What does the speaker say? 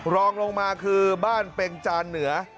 รองลงมาคือบ้านเป็งจานเหนือ